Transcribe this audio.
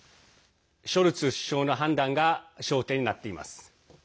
ショルツ首相の判断が焦点になっています。